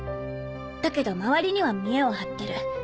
だけど周りには見えを張ってる。